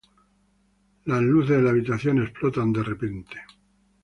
Las luces en la habitación explotan de repente.